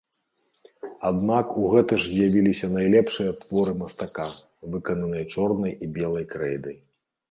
Аднак у гэты ж з'явіліся найлепшыя творы мастака, выкананыя чорнай і белай крэйдай.